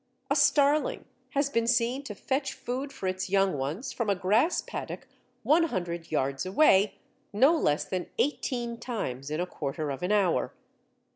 A starling has been seen to fetch food for its young ones from a grass paddock 100 yards away no less than eighteen times in a quarter of an hour.